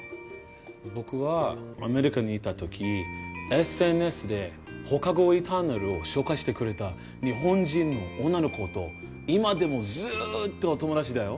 僕はアメリカにいた時ＳＮＳで『放課後エターナル』を紹介してくれた日本人の女の子と今でもずっと友達だよ。